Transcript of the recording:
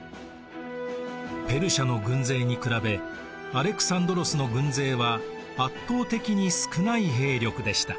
ペルシアの軍勢に比べアレクサンドロスの軍勢は圧倒的に少ない兵力でした。